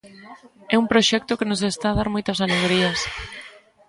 É un proxecto que nos está a dar moitas alegrías.